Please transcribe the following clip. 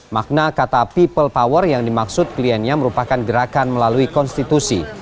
makna kata people power yang dimaksud kliennya merupakan gerakan melalui konstitusi